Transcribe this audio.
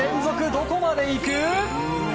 どこまでいく？